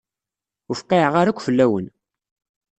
Ur fqiɛeɣ ara akk fell-awen.